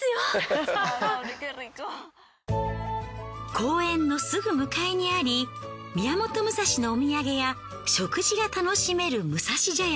公園のすぐ向かいにあり宮本武蔵のお土産や食事が楽しめる武蔵茶屋。